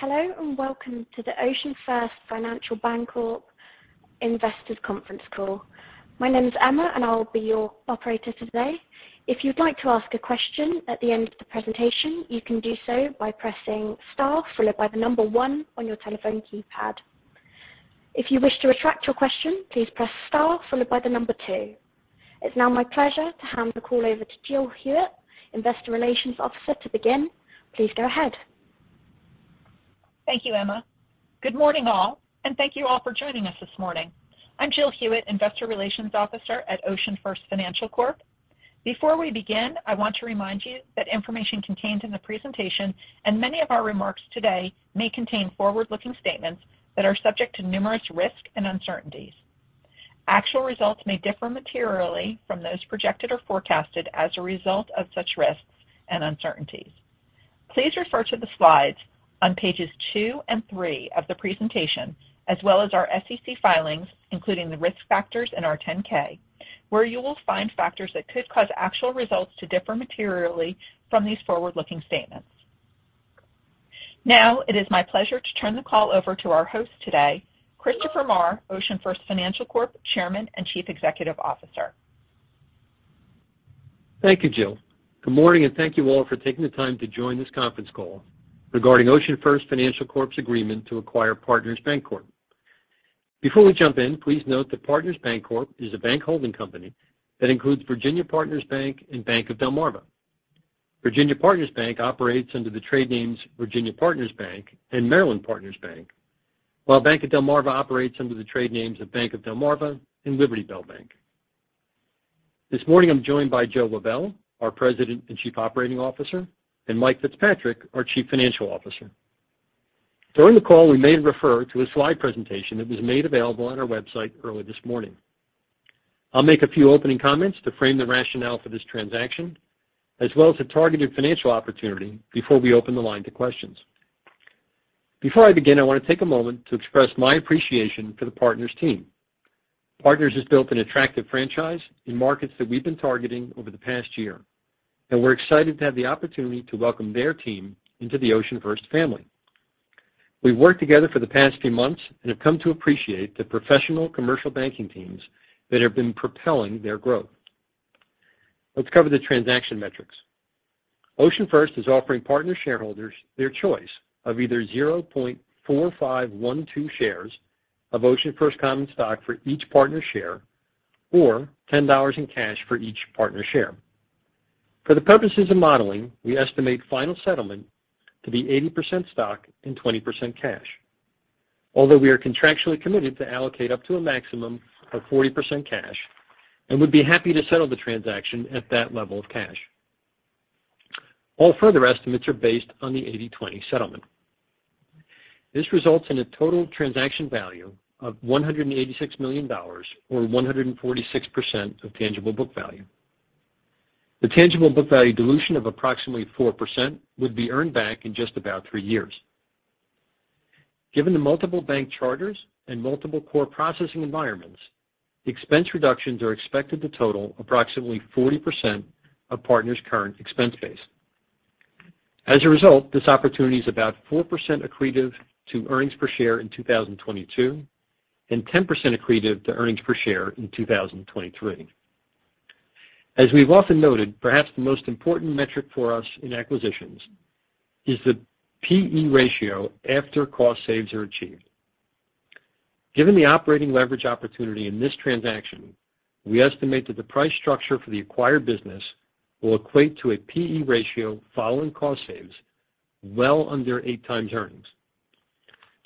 Hello, and welcome to the OceanFirst Financial Corp. Investors Conference Call. My name is Emma, and I will be your operator today. If you'd like to ask a question at the end of the presentation, you can do so by pressing Star followed by the number one on your telephone keypad. If you wish to retract your question, please press Star followed by the number two. It's now my pleasure to hand the call over to Jill Hewitt, Investor Relations Officer, to begin. Please go ahead. Thank you, Emma. Good morning, all, and thank you all for joining us this morning. I'm Jill Hewitt, Investor Relations Officer at OceanFirst Financial Corp. Before we begin, I want to remind you that information contained in the presentation and many of our remarks today may contain forward-looking statements that are subject to numerous risks and uncertainties. Actual results may differ materially from those projected or forecasted as a result of such risks and uncertainties. Please refer to the slides on pages two and three of the presentation as well as our SEC filings, including the risk factors in our 10-K, where you will find factors that could cause actual results to differ materially from these forward-looking statements. Now, it is my pleasure to turn the call over to our host today, Christopher Maher, OceanFirst Financial Corp., Chairman and Chief Executive Officer. Thank you, Jill. Good morning, and thank you all for taking the time to join this conference call regarding OceanFirst Financial Corp's agreement to acquire Partners Bancorp. Before we jump in, please note that Partners Bancorp is a bank holding company that includes Virginia Partners Bank and Bank of Delmarva. Virginia Partners Bank operates under the trade names Virginia Partners Bank and Maryland Partners Bank, while Bank of Delmarva operates under the trade names of Bank of Delmarva and Liberty Bell Bank. This morning I'm joined by Joe Lavelle, our president and chief operating officer, and Mike Fitzpatrick, our chief financial officer. During the call, we may refer to a slide presentation that was made available on our website early this morning. I'll make a few opening comments to frame the rationale for this transaction as well as the targeted financial opportunity before we open the line to questions. Before I begin, I want to take a moment to express my appreciation for the Partners team. Partners has built an attractive franchise in markets that we've been targeting over the past year, and we're excited to have the opportunity to welcome their team into the OceanFirst family. We've worked together for the past few months and have come to appreciate the professional commercial banking teams that have been propelling their growth. Let's cover the transaction metrics. OceanFirst is offering Partners shareholders their choice of either 0.4512 shares of OceanFirst common stock for each Partners share or $10 in cash for each Partners share. For the purposes of modeling, we estimate final settlement to be 80% stock and 20% cash. Although we are contractually committed to allocate up to a maximum of 40% cash and would be happy to settle the transaction at that level of cash. All further estimates are based on the 80-20 settlement. This results in a total transaction value of $186 million or 146% of tangible book value. The tangible book value dilution of approximately 4% would be earned back in just about three years. Given the multiple bank charters and multiple core processing environments, expense reductions are expected to total approximately 40% of Partners' current expense base. As a result, this opportunity is about 4% accretive to earnings per share in 2022 and 10% accretive to earnings per share in 2023. As we've often noted, perhaps the most important metric for us in acquisitions is the P/E ratio after cost saves are achieved. Given the operating leverage opportunity in this transaction, we estimate that the price structure for the acquired business will equate to a P/E ratio following cost saves well under 8 times earnings.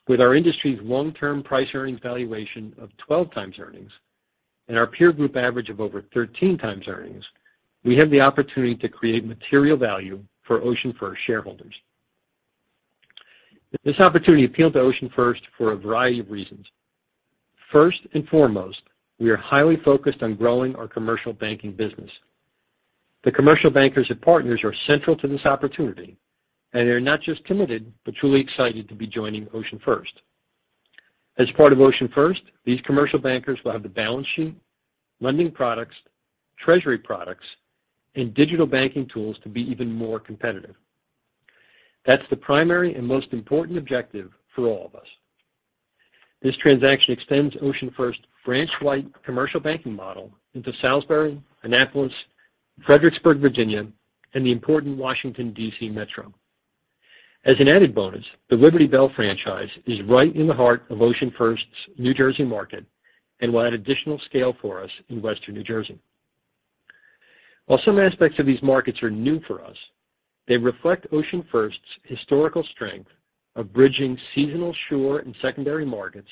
With our industry's long-term price earnings valuation of 12x earnings and our peer group average of over 13x earnings, we have the opportunity to create material value for OceanFirst shareholders. This opportunity appealed to OceanFirst for a variety of reasons. First and foremost, we are highly focused on growing our commercial banking business. The commercial bankers at Partners are central to this opportunity, and they're not just committed but truly excited to be joining OceanFirst. As part of OceanFirst, these commercial bankers will have the balance sheet, lending products, treasury products, and digital banking tools to be even more competitive. That's the primary and most important objective for all of us. This transaction extends OceanFirst branch-wide commercial banking model into Salisbury, Annapolis, Fredericksburg, Virginia, and the important Washington, D.C. Metro. As an added bonus, the Liberty Bell franchise is right in the heart of OceanFirst's New Jersey market and will add additional scale for us in western New Jersey. While some aspects of these markets are new for us, they reflect OceanFirst's historical strength of bridging seasonal shore and secondary markets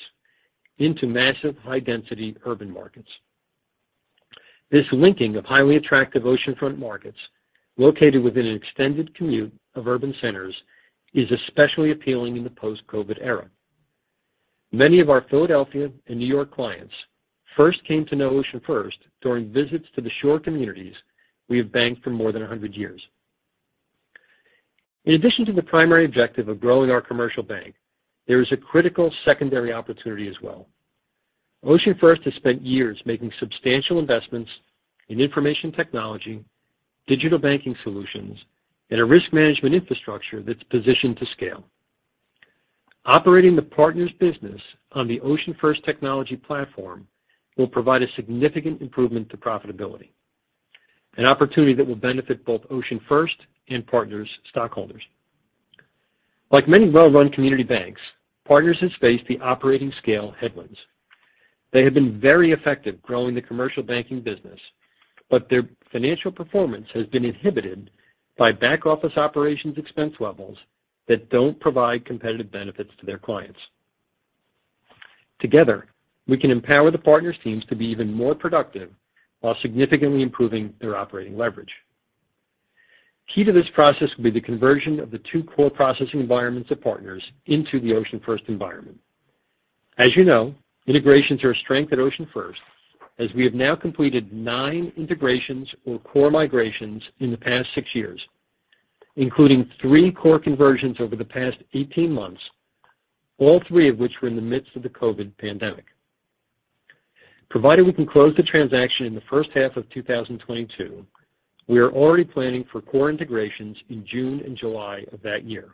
into massive high-density urban markets. This linking of highly attractive oceanfront markets located within an extended commute of urban centers is especially appealing in the post-COVID era. Many of our Philadelphia and New York clients first came to know OceanFirst during visits to the shore communities we have banked for more than 100 years. In addition to the primary objective of growing our commercial bank, there is a critical secondary opportunity as well. OceanFirst has spent years making substantial investments in information technology, digital banking solutions, and a risk management infrastructure that's positioned to scale. Operating the Partners business on the OceanFirst technology platform will provide a significant improvement to profitability, an opportunity that will benefit both OceanFirst and Partners stockholders. Like many well-run community banks, Partners has faced the operating scale headwinds. They have been very effective growing the commercial banking business, but their financial performance has been inhibited by back-office operations expense levels that don't provide competitive benefits to their clients. Together, we can empower the Partners teams to be even more productive while significantly improving their operating leverage. Key to this process will be the conversion of the two core processing environments of Partners into the OceanFirst environment. As you know, integrations are a strength at OceanFirst as we have now completed nine integrations or core migrations in the past six years, including three core conversions over the past 18 months, all three of which were in the midst of the COVID pandemic. Provided we can close the transaction in the first half of 2022, we are already planning for core integrations in June and July of that year,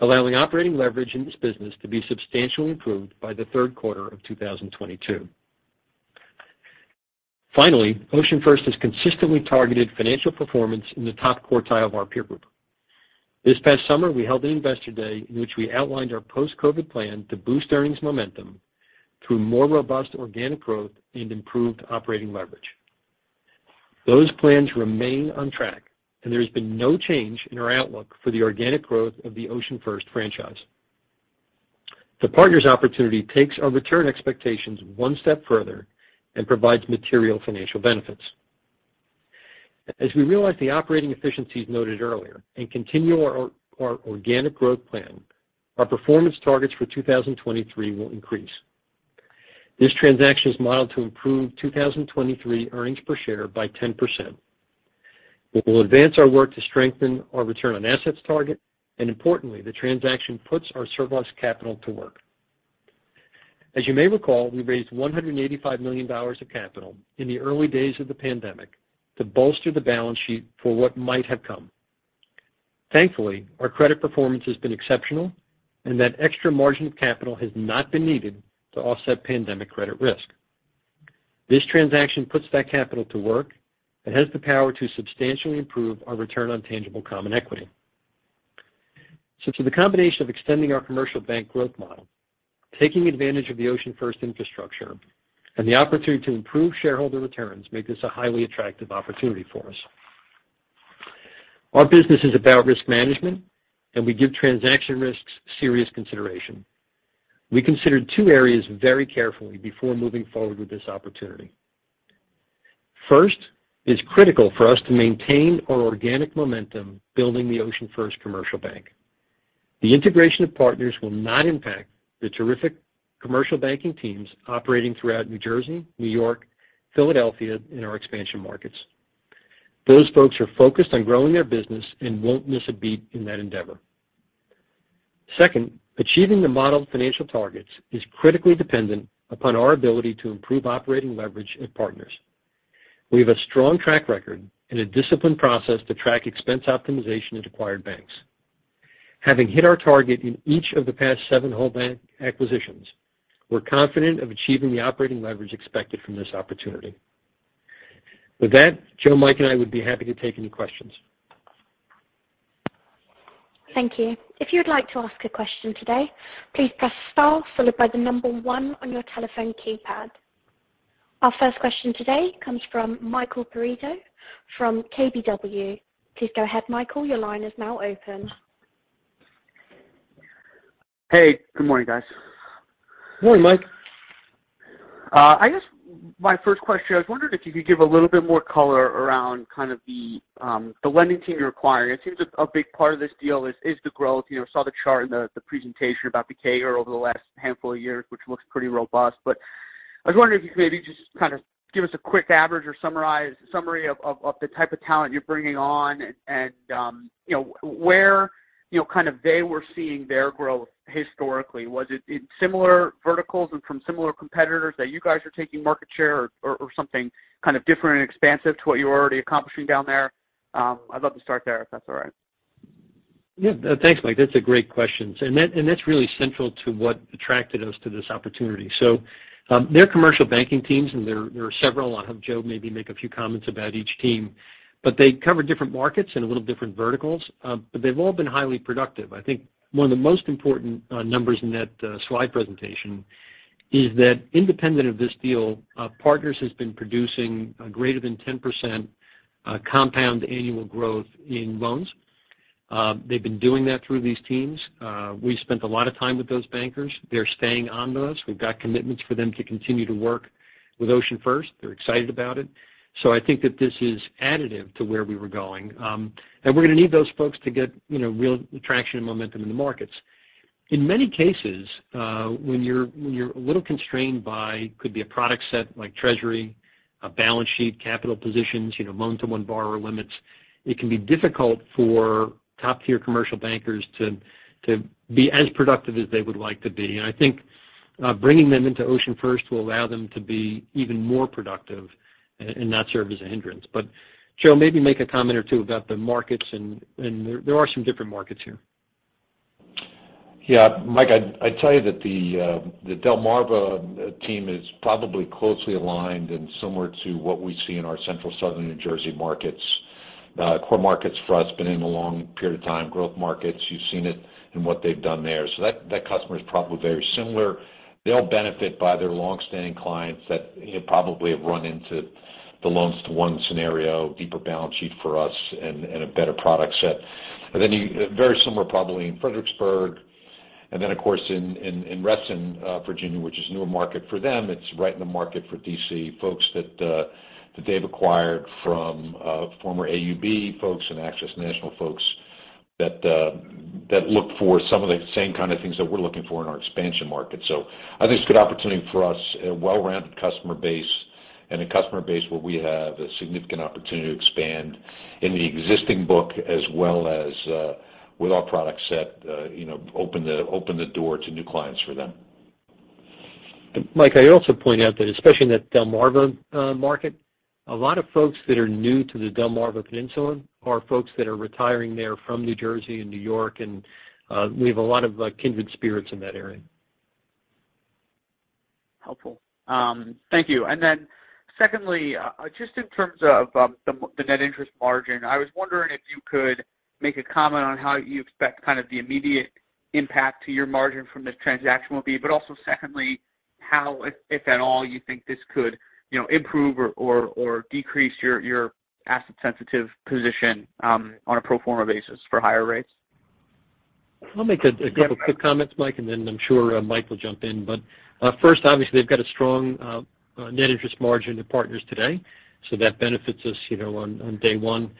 allowing operating leverage in this business to be substantially improved by the third quarter of 2022. Finally, OceanFirst has consistently targeted financial performance in the top quartile of our peer group. This past summer, we held an investor day in which we outlined our post-COVID plan to boost earnings momentum through more robust organic growth and improved operating leverage. Those plans remain on track, and there has been no change in our outlook for the organic growth of the OceanFirst franchise. The Partners opportunity takes our return expectations one step further and provides material financial benefits. As we realize the operating efficiencies noted earlier and continue our organic growth plan, our performance targets for 2023 will increase. This transaction is modeled to improve 2023 earnings per share by 10%. It will advance our work to strengthen our return on assets target. Importantly, the transaction puts our surplus capital to work. As you may recall, we raised $185 million of capital in the early days of the pandemic to bolster the balance sheet for what might have come. Thankfully, our credit performance has been exceptional, and that extra margin of capital has not been needed to offset pandemic credit risk. This transaction puts that capital to work and has the power to substantially improve our return on tangible common equity. Too, the combination of extending our commercial bank growth model, taking advantage of the OceanFirst infrastructure and the opportunity to improve shareholder returns makes this a highly attractive opportunity for us. Our business is about risk management, and we give transaction risks serious consideration. We considered two areas very carefully before moving forward with this opportunity. First, it's critical for us to maintain our organic momentum building the OceanFirst commercial bank. The integration of Partners will not impact the terrific commercial banking teams operating throughout New Jersey, New York, Philadelphia, and our expansion markets. Those folks are focused on growing their business and won't miss a beat in that endeavor. Second, achieving the modeled financial targets is critically dependent upon our ability to improve operating leverage at Partners. We have a strong track record and a disciplined process to track expense optimization at acquired banks. Having hit our target in each of the past seven whole bank acquisitions, we're confident of achieving the operating leverage expected from this opportunity. With that, Joe, Mike, and I would be happy to take any questions. Thank you. If you'd like to ask a question today, please press star followed by one on your telephone keypad. Our first question today comes from Michael Perito from KBW. Please go ahead, Michael. Your line is now open. Hey, good morning, guys. Morning, Mike. I guess my first question, I was wondering if you could give a little bit more color around kind of the lending team you're acquiring. It seems a big part of this deal is the growth. You know, saw the chart in the presentation about the CAGR over the last handful of years, which looks pretty robust. I was wondering if you could maybe just kind of give us a quick summary of the type of talent you're bringing on and, you know, where, you know, kind of they were seeing their growth historically. Was it in similar verticals and from similar competitors that you guys are taking market share or something kind of different and expansive to what you're already accomplishing down there? I'd love to start there, if that's all right. Yeah. Thanks, Mike. That's a great question. That's really central to what attracted us to this opportunity. Their commercial banking teams, and there are several. I'll have Joe maybe make a few comments about each team. They cover different markets and a little different verticals. They've all been highly productive. I think one of the most important numbers in that slide presentation is that independent of this deal, Partners has been producing a greater than 10% compound annual growth in loans. They've been doing that through these teams. We spent a lot of time with those bankers. They're staying on with us. We've got commitments for them to continue to work with OceanFirst. They're excited about it. I think that this is additive to where we were going. We're going to need those folks to get, you know, real traction and momentum in the markets. In many cases, when you're a little constrained by could be a product set like treasury and balance sheet capital positions, you know, loan-to-one borrower limits. It can be difficult for top-tier commercial bankers to be as productive as they would like to be. I think bringing them into OceanFirst will allow them to be even more productive and not serve as a hindrance. Cheryl, maybe make a comment or two about the markets and there are some different markets here. Yeah. Mike, I'd tell you that the Delmarva team is probably closely aligned and similar to what we see in our central, southern New Jersey markets, core markets for us we've been in for a long period of time. Growth markets, you've seen it in what they've done there. That customer is probably very similar. They'll benefit by their long-standing clients that, you know, probably have run into the loans to one scenario, deeper balance sheet for us and a better product set. Very similar probably in Fredericksburg. Of course, in Reston, Virginia, which is newer market for them. It's right in the market for D.C. folks that they've acquired from former AUB folks and Access National folks that look for some of the same kind of things that we're looking for in our expansion market. I think it's a good opportunity for us, a well-rounded customer base and a customer base where we have a significant opportunity to expand in the existing book as well as with our product set, you know, open the door to new clients for them. Mike, I also point out that especially in that Delmarva market, a lot of folks that are new to the Delmarva Peninsula are folks that are retiring there from New Jersey and New York. We have a lot of kindred spirits in that area. Helpful. Thank you. Secondly, just in terms of the net interest margin, I was wondering if you could make a comment on how you expect kind of the immediate impact to your margin from this transaction will be. Also secondly, how, if at all, you think this could, you know, improve or decrease your asset sensitive position on a pro forma basis for higher rates. I'll make a couple quick comments, Mike, and then I'm sure Mike will jump in. First, obviously, they've got a strong net interest margin at Partners today, so that benefits us, you know, on day one.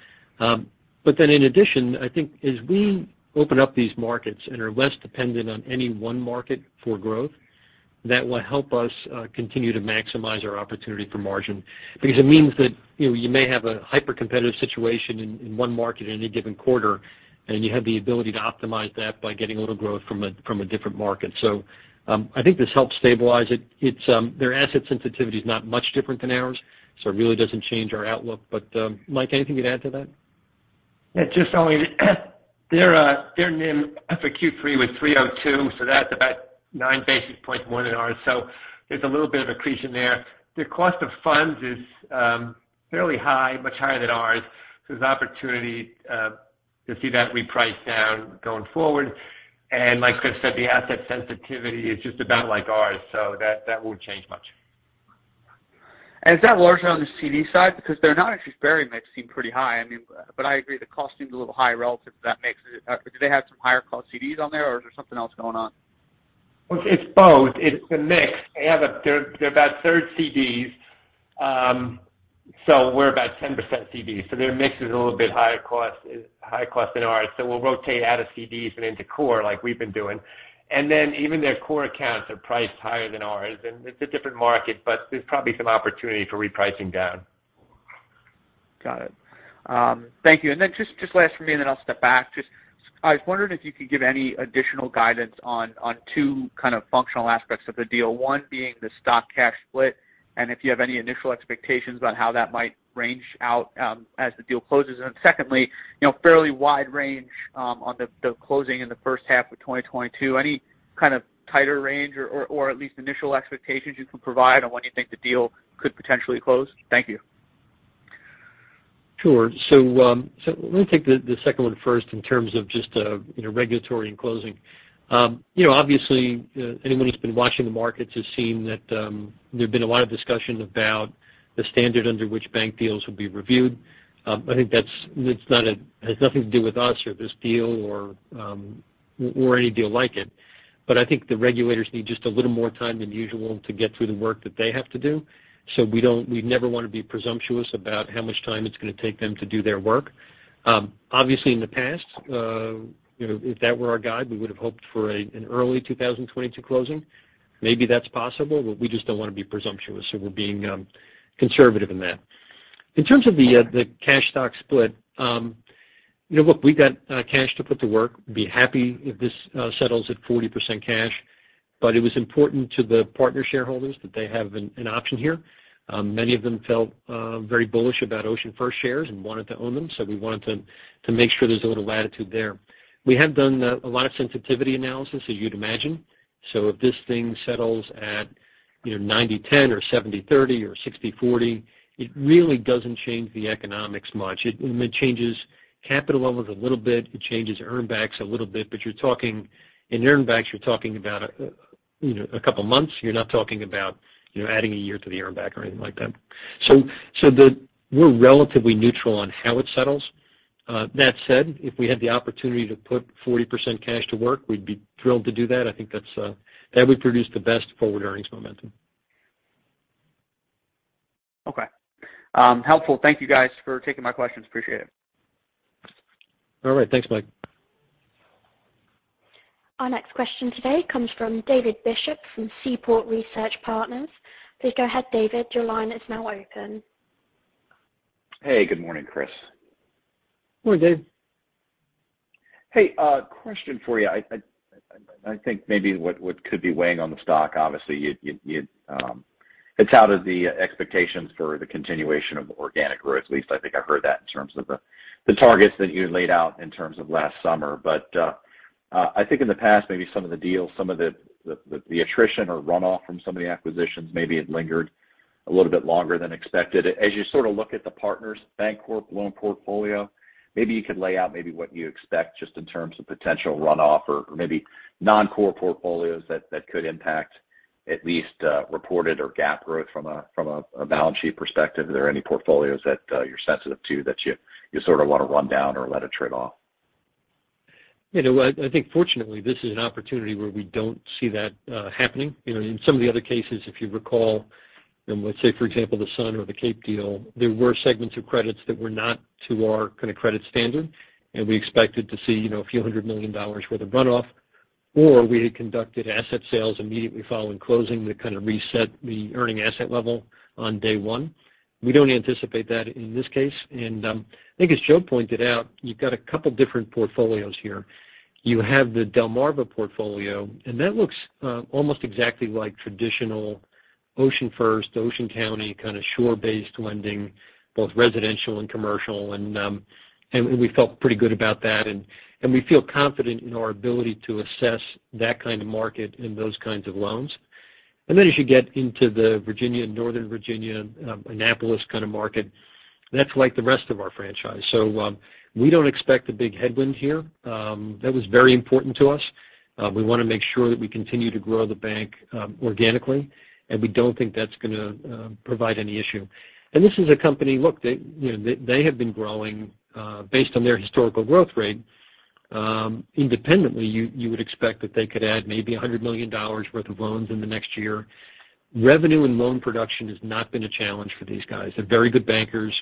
In addition, I think as we open up these markets and are less dependent on any one market for growth, that will help us continue to maximize our opportunity for margin. Because it means that, you know, you may have a hyper-competitive situation in one market in any given quarter, and you have the ability to optimize that by getting a little growth from a different market. I think this helps stabilize it. Their asset sensitivity is not much different than ours, so it really doesn't change our outlook. Mike, anything you'd add to that? Yeah, just only their NIM for Q3 was 302, so that's about nine basis points more than ours. So there's a little bit of accretion there. Their cost of funds is fairly high, much higher than ours. So there's opportunity to see that reprice down going forward. Like Chris said, the asset sensitivity is just about like ours, so that won't change much. Is that largely on the CD side? Because they're not interest bearing, it might seem pretty high. I mean, but I agree the cost seems a little high relative to that mix. Do they have some higher cost CDs on there, or is there something else going on? Well, it's both. It's a mix. They're about a third CDs. We're about 10% CDs. Their mix is a little bit higher cost than ours. We'll rotate out of CDs and into core like we've been doing. Then even their core accounts are priced higher than ours. It's a different market, but there's probably some opportunity for repricing down. Got it. Thank you. Just last for me, and then I'll step back. Just, I was wondering if you could give any additional guidance on two kind of fundamental aspects of the deal. One being the stock cash split, and if you have any initial expectations on how that might play out as the deal closes. Secondly, you know, fairly wide range on the closing in the first half of 2022. Any kind of tighter range or at least initial expectations you can provide on when you think the deal could potentially close? Thank you. Sure. Let me take the second one first in terms of just you know regulatory and closing. You know, obviously, anyone who's been watching the markets has seen that there's been a lot of discussion about the standard under which bank deals will be reviewed. I think it has nothing to do with us or this deal or any deal like it. But I think the regulators need just a little more time than usual to get through the work that they have to do. We never wanna be presumptuous about how much time it's gonna take them to do their work. Obviously, in the past, you know, if that were our guide, we would have hoped for an early 2022 closing. Maybe that's possible, but we just don't wanna be presumptuous, so we're being conservative in that. In terms of the cash stock split, you know, look, we got cash to put to work. We'd be happy if this settles at 40% cash. But it was important to the partner shareholders that they have an option here. Many of them felt very bullish about OceanFirst shares and wanted to own them, so we wanted to make sure there's a little latitude there. We have done a lot of sensitivity analysis as you'd imagine. If this thing settles at, you know, 90/10 or 70/30 or 60/40, it really doesn't change the economics much. It changes capital levels a little bit. It changes earnbacks a little bit. You're talking in earnbacks, you're talking about, you know, a couple of months. You're not talking about, you know, adding a year to the earnback or anything like that. We're relatively neutral on how it settles. That said, if we had the opportunity to put 40% cash to work, we'd be thrilled to do that. I think that's that would produce the best forward earnings momentum. Okay. Helpful. Thank you guys for taking my questions. Appreciate it. All right. Thanks, Mike. Our next question today comes from David Bishop from Seaport Research Partners. Please go ahead, David. Your line is now open. Hey, good morning, Chris. Morning, Dave. Hey, a question for you. I think maybe what could be weighing on the stock, obviously you, it's out of the expectations for the continuation of organic growth. At least I think I heard that in terms of the targets that you laid out in terms of last summer. I think in the past, maybe some of the deals, some of the attrition or runoff from some of the acquisitions, maybe it lingered a little bit longer than expected. As you sort of look at the Partners Bancorp loan portfolio, maybe you could lay out maybe what you expect just in terms of potential runoff or maybe non-core portfolios that could impact at least reported or GAAP growth from a balance sheet perspective. Are there any portfolios that you're sensitive to that you sort of want to run down or let it trade off? You know, I think fortunately, this is an opportunity where we don't see that happening. You know, in some of the other cases, if you recall, and let's say, for example, the Sun or the Cape deal, there were segments of credits that were not to our kind of credit standard, and we expected to see, you know, a few hundred million dollars worth of runoff, or we had conducted asset sales immediately following closing to kind of reset the earning asset level on day one. We don't anticipate that in this case. I think as Joe pointed out, you've got a couple different portfolios here. You have the Delmarva portfolio, and that looks almost exactly like traditional OceanFirst, Ocean County, kind of shore-based lending, both residential and commercial. We felt pretty good about that. We feel confident in our ability to assess that kind of market and those kinds of loans. Then as you get into the Virginia, Northern Virginia, Annapolis kind of market, that's like the rest of our franchise. We don't expect a big headwind here. That was very important to us. We wanna make sure that we continue to grow the bank, organically, and we don't think that's gonna provide any issue. This is a company. Look, they, you know, they have been growing, based on their historical growth rate. Independently, you would expect that they could add maybe $100 million worth of loans in the next year. Revenue and loan production has not been a challenge for these guys. They're very good bankers.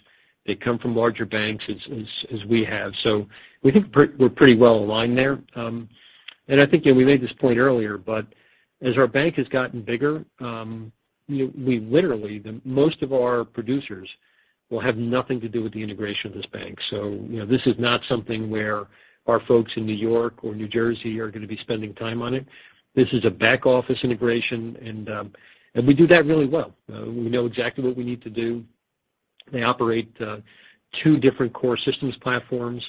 They come from larger banks as we have. We think we're pretty well aligned there. I think, you know, we made this point earlier, but as our bank has gotten bigger, you know, we literally the most of our producers will have nothing to do with the integration of this bank. This is not something where our folks in New York or New Jersey are gonna be spending time on it. This is a back-office integration, and we do that really well. We know exactly what we need to do. They operate two different core systems platforms.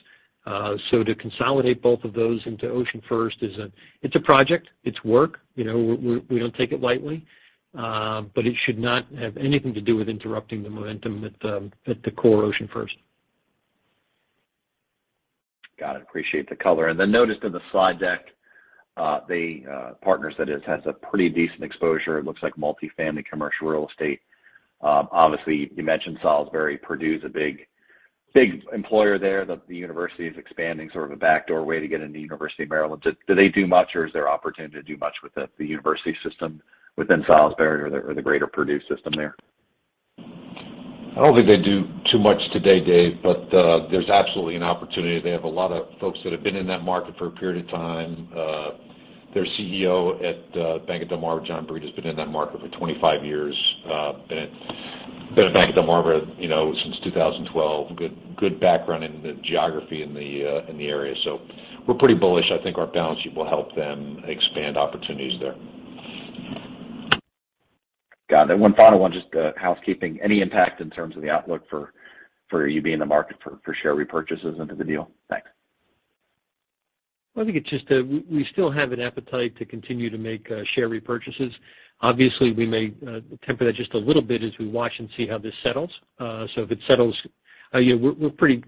To consolidate both of those into OceanFirst is a project. It's work. You know, we don't take it lightly. But it should not have anything to do with interrupting the momentum at the core OceanFirst. Got it. Appreciate the color. Notice in the slide deck, the Partners that has a pretty decent exposure. It looks like multifamily commercial real estate. Obviously, you mentioned Salisbury. Perdue's a big employer there. The university is expanding, sort of a backdoor way to get into the University of Maryland. Do they do much, or is there opportunity to do much with the university system within Salisbury or the greater Perdue system there? I don't think they do too much today, Dave, but there's absolutely an opportunity. They have a lot of folks that have been in that market for a period of time. Their CEO at Bank of Delmarva, John Breda, has been in that market for 25 years, been at Bank of Delmarva, you know, since 2012. Good background in the geography in the area. We're pretty bullish. I think our balance sheet will help them expand opportunities there. Got it. One final one, just housekeeping. Any impact in terms of the outlook for you being in the market for share repurchases into the deal? Thanks. I think it's just we still have an appetite to continue to make share repurchases. Obviously, we may temper that just a little bit as we watch and see how this settles. So if it settles, you know, we're pretty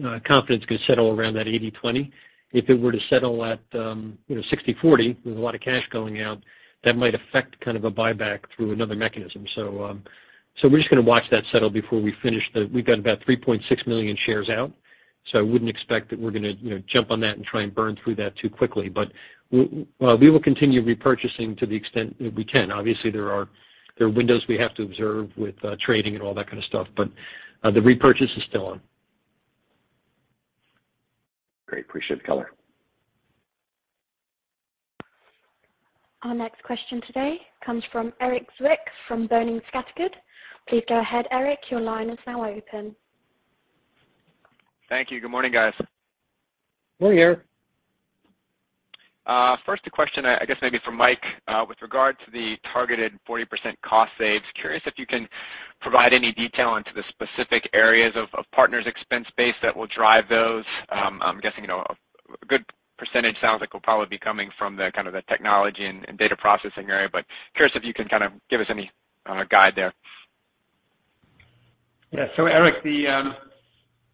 confident it's gonna settle around that 80-20. If it were to settle at, you know, 60-40 with a lot of cash going out, that might affect kind of a buyback through another mechanism. So we're just gonna watch that settle before we've got about 3.6 million shares out. So I wouldn't expect that we're gonna, you know, jump on that and try and burn through that too quickly. But well, we will continue repurchasing to the extent that we can. Obviously, there are windows we have to observe with trading and all that kind of stuff. The repurchase is still on. Great. I appreciate the color. Our next question today comes from Erik Zwick from Hovde Group. Please go ahead, Erik. Your line is now open. Thank you. Good morning, guys. Morning, Erik. First a question I guess maybe for Mike with regard to the targeted 40% cost savings. Curious if you can provide any detail into the specific areas of Partners expense base that will drive those. I'm guessing, you know, a good percentage sounds like it will probably be coming from the kind of technology and data processing area. Curious if you can kind of give us any guide there. Yeah. Erik, the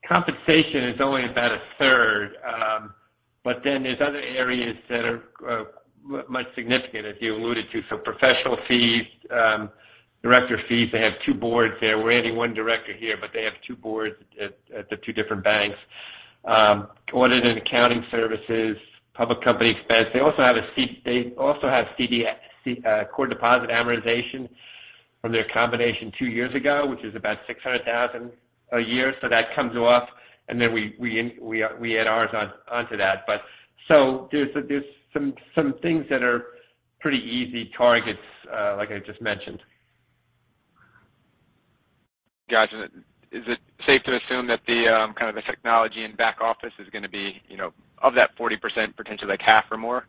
compensation is only about a third. There's other areas that are much more significant, as you alluded to. Professional fees, director fees. They have two boards there. We're adding one director here, but they have two boards at the two different banks. Audit and accounting services, public company expense. They also have CDI, core deposit amortization from their combination two years ago, which is about $600,000 a year. That comes off, and then we add ours onto that. There's some things that are pretty easy targets, like I just mentioned. Gotcha. Is it safe to assume that the kind of the technology and back-office is gonna be, you know, of that 40% potentially like half or more?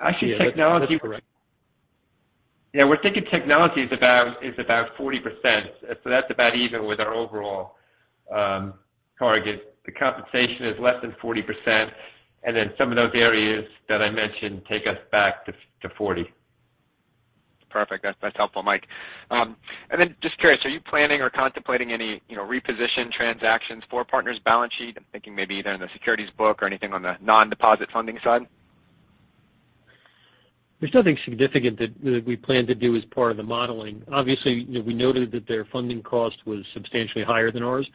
Actually, technology Yeah, that's correct. Yeah, we're thinking technology is about 40%. So that's about even with our overall target. The compensation is less than 40%. Some of those areas that I mentioned take us back to 40%. Perfect. That's helpful, Mike. Just curious, are you planning or contemplating any, you know, reposition transactions for Partners' balance sheet? I'm thinking maybe either in the securities book or anything on the non-deposit funding side. There's nothing significant that we plan to do as part of the modeling. Obviously, you know, we noted that their funding cost was substantially higher than ours.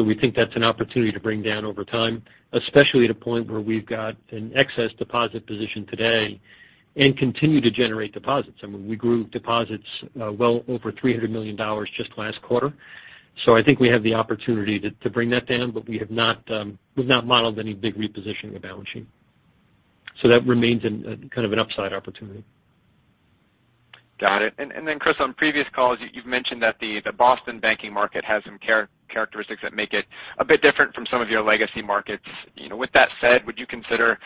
We think that's an opportunity to bring down over time, especially at a point where we've got an excess deposit position today and continue to generate deposits. I mean, we grew deposits well over $300 million just last quarter. I think we have the opportunity to bring that down, but we have not, we've not modeled any big repositioning of balance sheet. That remains kind of an upside opportunity. Got it. Then, Chris, on previous calls, you've mentioned that the Boston banking market has some characteristics that make it a bit different from some of your legacy markets. You know, with that said, would you consider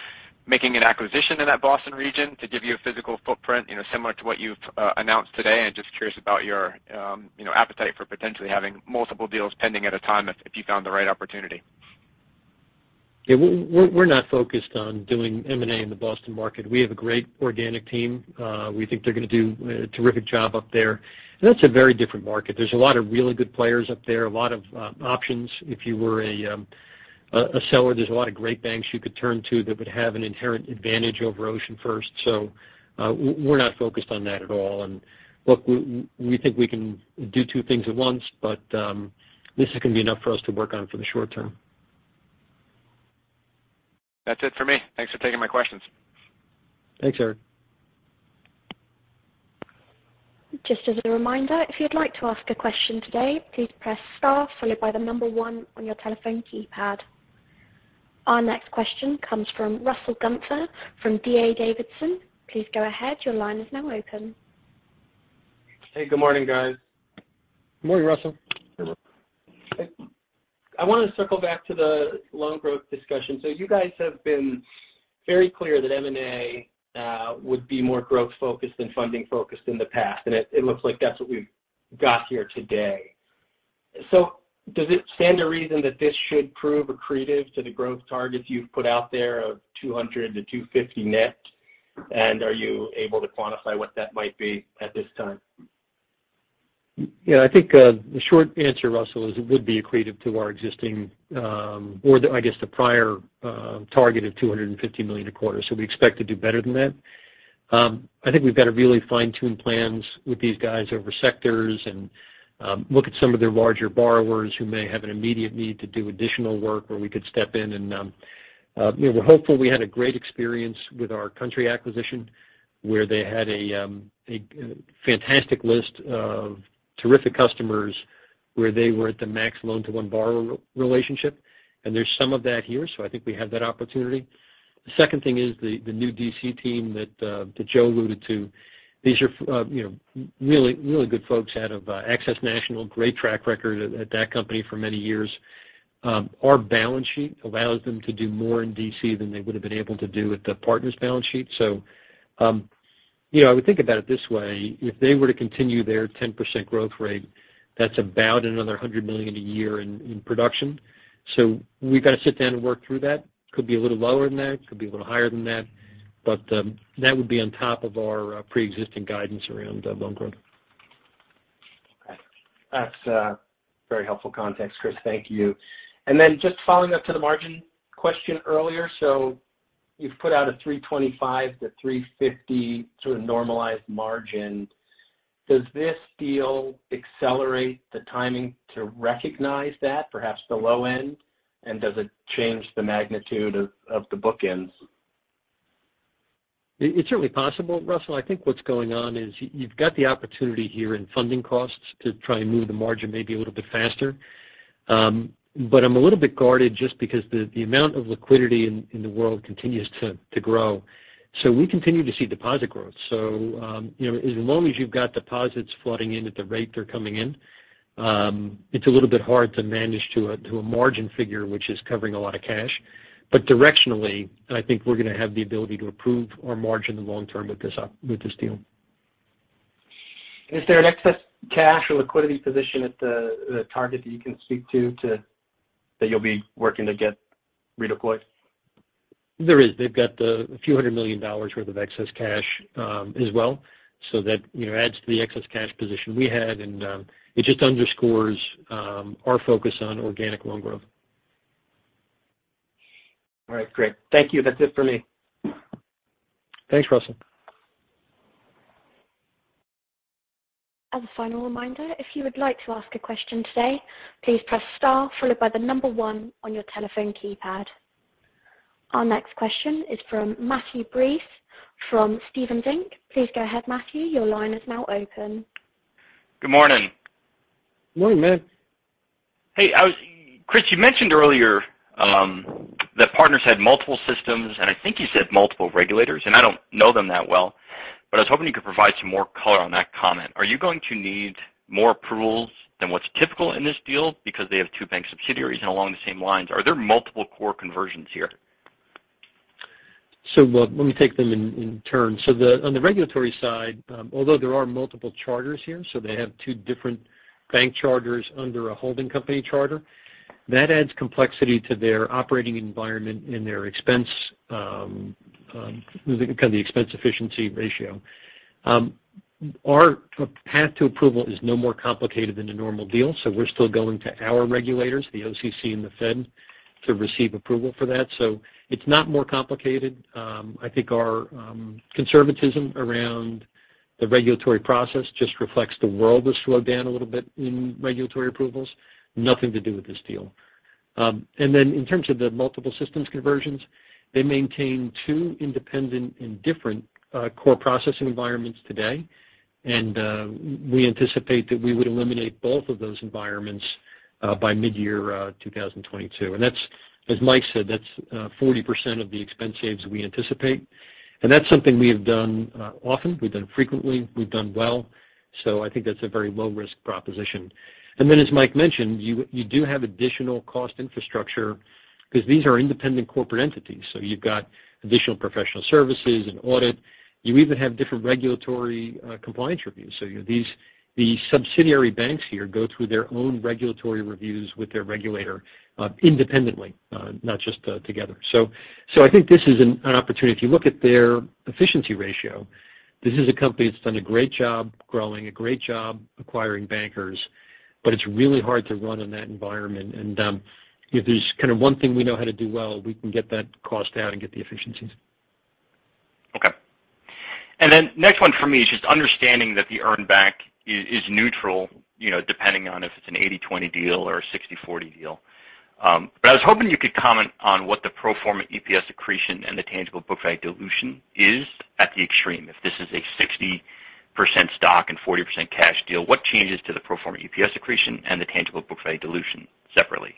making an acquisition in that Boston region to give you a physical footprint, you know, similar to what you've announced today? I'm just curious about your, you know, appetite for potentially having multiple deals pending at a time if you found the right opportunity. Yeah. We're not focused on doing M&A in the Boston market. We have a great organic team. We think they're gonna do a terrific job up there. That's a very different market. There's a lot of really good players up there, a lot of options. If you were a seller, there's a lot of great banks you could turn to that would have an inherent advantage over OceanFirst. We're not focused on that at all. Look, we think we can do two things at once, but this is gonna be enough for us to work on for the short term. That's it for me. Thanks for taking my questions. Thanks, Erik. Just as a reminder, if you'd like to ask a question today, please press star followed by one on your telephone keypad. Our next question comes from Russell Gunther from D.A. Davidson. Please go ahead. Your line is now open. Hey, good morning, guys. Good morning, Russell. Good morning. I wanna circle back to the loan growth discussion. You guys have been very clear that M&A would be more growth-focused than funding-focused in the past. It looks like that's what we've got here today. Does it stand to reason that this should prove accretive to the growth targets you've put out there of 200-250 net? Are you able to quantify what that might be at this time? Yeah. I think the short answer, Russell, is it would be accretive to our existing, or I guess, the prior target of $250 million a quarter. So we expect to do better than that. I think we've got to really fine-tune plans with these guys over sectors and look at some of their larger borrowers who may have an immediate need to do additional work where we could step in and you know, we're hopeful we had a great experience with our Country acquisition, where they had a fantastic list of terrific customers where they were at the max loan to one borrower relationship. There's some of that here, so I think we have that opportunity. The second thing is the new D.C. team that Joe alluded to. These are, you know, really, really good folks out of Access National. Great track record at that company for many years. Our balance sheet allows them to do more in D.C. than they would have been able to do with the Partners balance sheet. You know, I would think about it this way. If they were to continue their 10% growth rate, that's about another $100 million a year in production. We've got to sit down and work through that. Could be a little lower than that. It could be a little higher than that. That would be on top of our preexisting guidance around loan growth. Okay. That's a very helpful context, Chris. Thank you. Then just following up to the margin question earlier. You've put out a 3.25%-3.50% sort of normalized margin. Does this deal accelerate the timing to recognize that perhaps the low end? And does it change the magnitude of the bookends? It's certainly possible, Russell. I think what's going on is you've got the opportunity here in funding costs to try and move the margin maybe a little bit faster. I'm a little bit guarded just because the amount of liquidity in the world continues to grow. We continue to see deposit growth. You know, as long as you've got deposits flooding in at the rate they're coming in, it's a little bit hard to manage to a margin figure which is covering a lot of cash. Directionally, I think we're gonna have the ability to improve our margin long term with this deal. Is there an excess cash or liquidity position at the target that you can speak to that you'll be working to get redeployed? There is. They've got $a few hundred million worth of excess cash, as well. That, you know, adds to the excess cash position we had, and it just underscores our focus on organic loan growth. All right. Great. Thank you. That's it for me. Thanks, Russell. As a final reminder, if you would like to ask a question today, please press star followed by the number one on your telephone keypad. Our next question is from Matthew Breese from Stephens Inc. Please go ahead, Matthew, your line is now open. Good morning. Morning, Matt. Hey. Chris, you mentioned earlier that Partners had multiple systems, and I think you said multiple regulators, and I don't know them that well. I was hoping you could provide some more color on that comment. Are you going to need more approvals than what's typical in this deal because they have two bank subsidiaries? Along the same lines, are there multiple core conversions here? Well, let me take them in turn. On the regulatory side, although there are multiple charters here, they have two different bank charters under a holding company charter. That adds complexity to their operating environment and their expense kind of the expense efficiency ratio. Our path to approval is no more complicated than a normal deal, so we're still going to our regulators, the OCC and the Fed, to receive approval for that. It's not more complicated. I think our conservatism around the regulatory process just reflects the world has slowed down a little bit in regulatory approvals. Nothing to do with this deal. Then in terms of the multiple systems conversions, they maintain two independent and different core processing environments today. We anticipate that we would eliminate both of those environments by mid-2022. That's as Mike said, that's 40% of the expense savings we anticipate. That's something we have done often. We've done frequently, we've done well. I think that's a very low risk proposition. Then, as Mike mentioned, you do have additional cost infrastructure because these are independent corporate entities. You've got additional professional services and audit. You even have different regulatory compliance reviews. These subsidiary banks here go through their own regulatory reviews with their regulator independently, not just together. I think this is an opportunity. If you look at their efficiency ratio, this is a company that's done a great job growing, a great job acquiring bankers, but it's really hard to run in that environment. If there's kind of one thing we know how to do well, we can get that cost down and get the efficiencies. Okay. Next one for me is just understanding that the earn back is neutral, you know, depending on if it's an 80/20 deal or a 60/40 deal. I was hoping you could comment on what the pro forma EPS accretion and the tangible book value dilution is at the extreme. If this is a 60% stock and 40% cash deal, what changes to the pro forma EPS accretion and the tangible book value dilution separately?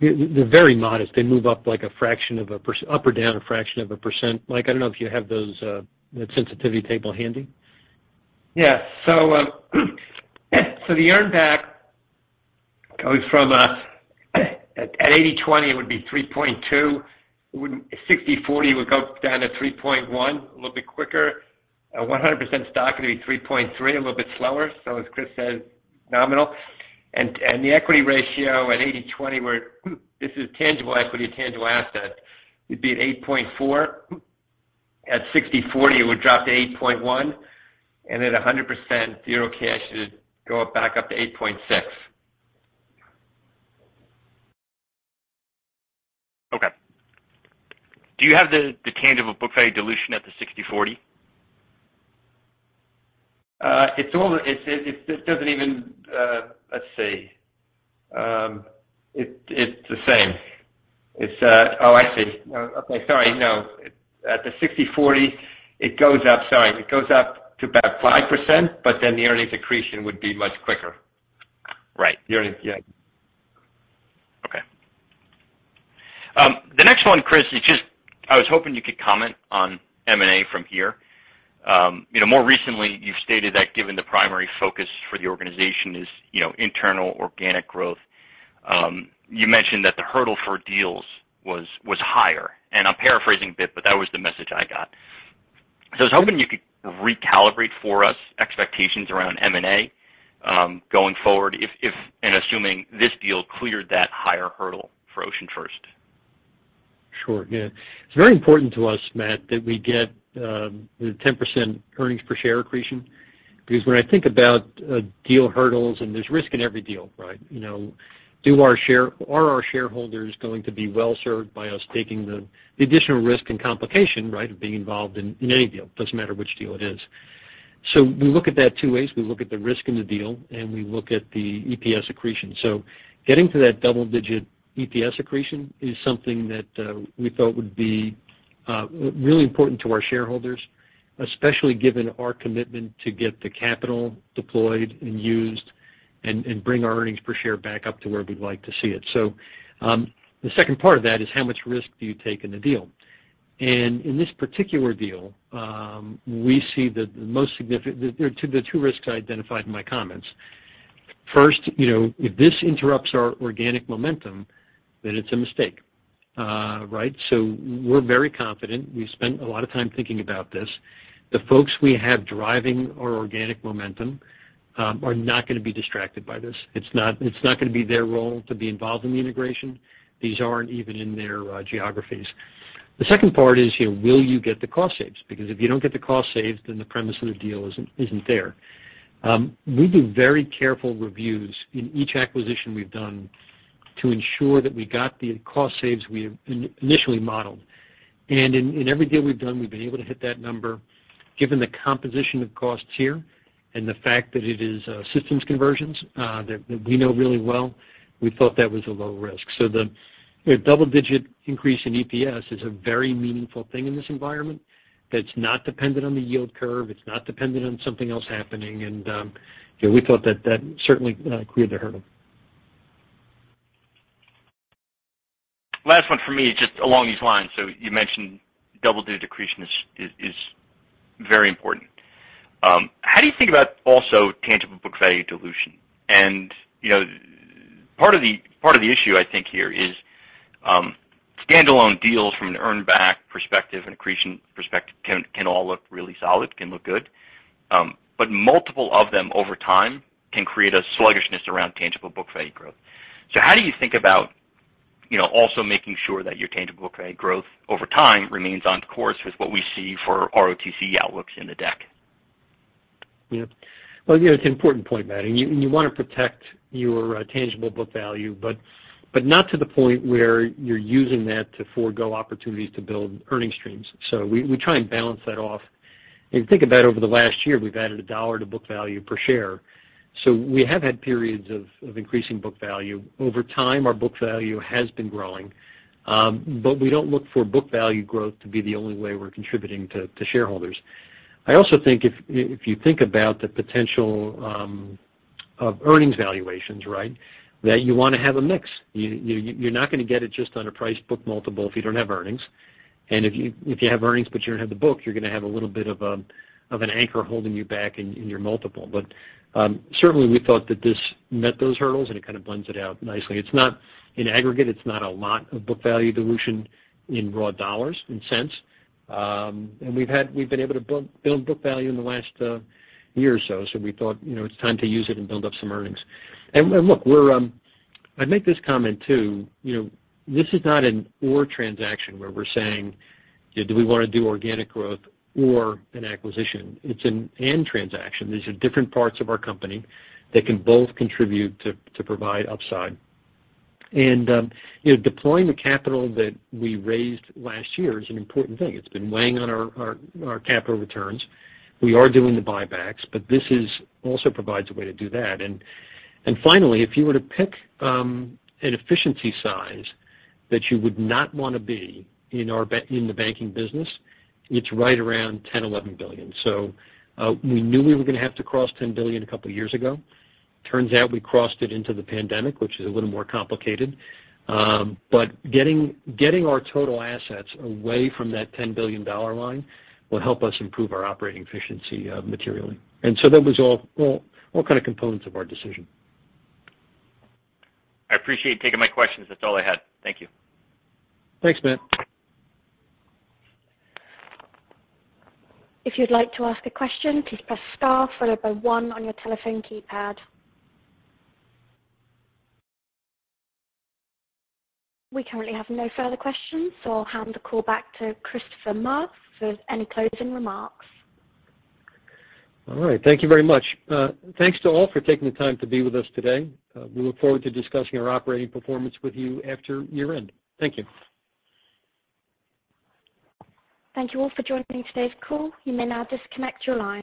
They're very modest. They move up like a fraction of a %, up or down a fraction of a %. Mike, I don't know if you have those, that sensitivity table handy. Yeah. The earn back goes from at 80/20, it would be 3.2. 60/40 would go down to 3.1, a little bit quicker. A 100% stock would be 3.3, a little bit slower. As Chris said, nominal. The equity ratio at 80/20 where this is tangible equity to tangible assets, it'd be at 8.4. At 60/40, it would drop to 8.1. At 100%, zero cash, it would go back up to 8.6. Okay. Do you have the tangible book value dilution at the 60/40? It doesn't even, let's see. It's the same. Oh, I see. No. Okay, sorry. No. At the 60/40, it goes up. Sorry. It goes up to about 5%, but then the earnings accretion would be much quicker. Right. The earnings. Yeah. Okay. The next one, Chris, is just, I was hoping you could comment on M&A from here. You know, more recently you've stated that given the primary focus for the organization is, you know, internal organic growth, you mentioned that the hurdle for deals was higher. I'm paraphrasing a bit, but that was the message I got. I was hoping you could recalibrate for us expectations around M&A going forward if and assuming this deal cleared that higher hurdle for OceanFirst. Sure. Yeah. It's very important to us, Matt, that we get the 10% earnings per share accretion, because when I think about deal hurdles and there's risk in every deal, right? You know, are our shareholders going to be well served by us taking the additional risk and complication, right, of being involved in any deal? Doesn't matter which deal it is. We look at that two ways. We look at the risk in the deal, and we look at the EPS accretion. Getting to that double-digit EPS accretion is something that we felt would be really important to our shareholders, especially given our commitment to get the capital deployed and used and bring our earnings per share back up to where we'd like to see it. The second part of that is how much risk do you take in the deal? In this particular deal, we see that the most significant the two risks I identified in my comments. First, you know, if this interrupts our organic momentum, then it's a mistake. Right? We're very confident. We've spent a lot of time thinking about this. The folks we have driving our organic momentum are not gonna be distracted by this. It's not gonna be their role to be involved in the integration. These aren't even in their geographies. The second part is, you know, will you get the cost saves? Because if you don't get the cost saved, then the premise of the deal isn't there. We do very careful reviews in each acquisition we've done to ensure that we got the cost saves we initially modeled. In every deal we've done, we've been able to hit that number. Given the composition of costs here and the fact that it is systems conversions that we know really well, we thought that was a low risk. You know, the double-digit increase in EPS is a very meaningful thing in this environment that's not dependent on the yield curve. It's not dependent on something else happening. You know, we thought that certainly cleared the hurdle. Last one for me, just along these lines. You mentioned double-digit accretion is very important. How do you think about also tangible book value dilution? You know, part of the issue I think here is standalone deals from an earned back perspective and accretion perspective can all look really solid, can look good. Multiple of them over time can create a sluggishness around tangible book value growth. How do you think about, you know, also making sure that your tangible book value growth over time remains on course with what we see for ROTCE outlooks in the deck? Yeah. Well, you know, it's an important point, Matt, and you wanna protect your tangible book value, but not to the point where you're using that to forego opportunities to build earning streams. We try and balance that off. If you think about over the last year, we've added $1 to book value per share. We have had periods of increasing book value. Over time, our book value has been growing, but we don't look for book value growth to be the only way we're contributing to shareholders. I also think if you think about the potential of earnings valuations, right, that you wanna have a mix. You're not gonna get it just on a price book multiple if you don't have earnings. If you have earnings but you don't have the book, you're gonna have a little bit of an anchor holding you back in your multiple. Certainly we thought that this met those hurdles, and it kind of blends it out nicely. It's not an aggregate. It's not a lot of book value dilution in raw dollars and cents. We've been able to build book value in the last year or so. We thought, you know, it's time to use it and build up some earnings. I'd make this comment too, you know, this is not an or transaction where we're saying, you know, do we wanna do organic growth or an acquisition? It's an and transaction. These are different parts of our company that can both contribute to provide upside. You know, deploying the capital that we raised last year is an important thing. It's been weighing on our capital returns. We are doing the buybacks, but this also provides a way to do that. Finally, if you were to pick an efficiency size that you would not wanna be in our bank, in the banking business, it's right around $10-$11 billion. We knew we were gonna have to cross $10 billion a couple years ago. Turns out we crossed it into the pandemic, which is a little more complicated. Getting our total assets away from that $10 billion dollar line will help us improve our operating efficiency materially. that was all kind of components of our decision. I appreciate you taking my questions. That's all I had. Thank you. Thanks, Matt. If you'd like to ask a question, please press star followed by one on your telephone keypad. We currently have no further questions, so I'll hand the call back to Christopher Maher for any closing remarks. All right. Thank you very much. Thanks to all for taking the time to be with us today. We look forward to discussing our operating performance with you after year-end. Thank you. Thank you all for joining today's call. You may now disconnect your line.